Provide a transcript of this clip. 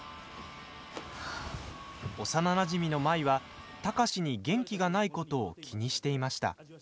幼なじみの舞は貴司に元気がないことを気にしていました。